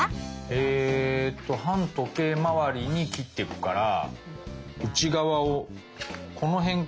えっと反時計まわりに切ってくから内側をこの辺から。